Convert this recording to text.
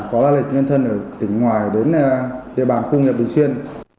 có la lịch nhân thân ở tỉnh ngoài đến đề bàn khu công nghiệp bình xuyên